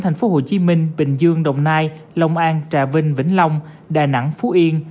thành phố hồ chí minh bình dương đồng nai lông an trà vinh vĩnh long đà nẵng phú yên